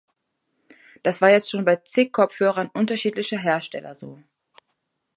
Das war jetzt schon bei zig Kopfhörern unterschiedlicher Hersteller so.